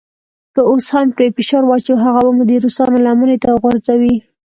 که اوس پرې فشار واچوو هغه به مو د روسانو لمنې ته وغورځوي.